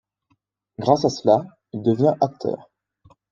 Grâce à cela, il devient acteur.